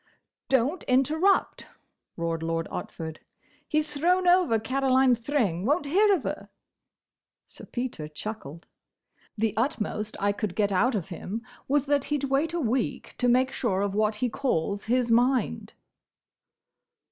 "Don't interrupt!" roared Lord Otford. "He's thrown over Caroline Thring—won't hear of her." Sir Peter chuckled. "The utmost I could get out of him was that he 'd wait a week to make sure of what he calls his mind."